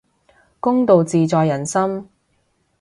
公道自在人心